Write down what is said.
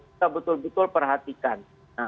kita betul betul perhatikan